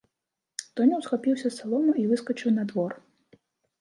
Тоня ўсхапіўся з саломы і выскачыў на двор.